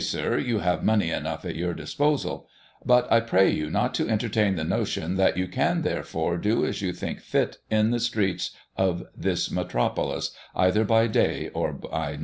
Sir, you have money enough at your disposal, but I pray you not to enter tain the notion that you can therefore do as you think fit in the streets of this metropolis, either by night, or by day.